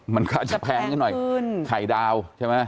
มันก็จะแพงขึ้นหน่อย